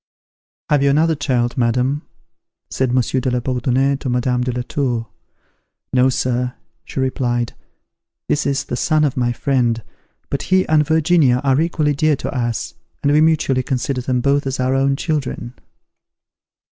"Have you another child, madam?" said Monsieur de la Bourdonnais to Madame de la Tour. "No, Sir," she replied; "this is the son of my friend; but he and Virginia are equally dear to us, and we mutually consider them both as our own children."